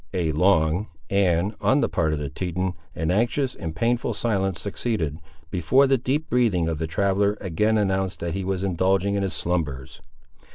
A long, and, on the part of the Teton, an anxious and painful silence succeeded, before the deep breathing of the traveller again announced that he was indulging in his slumbers.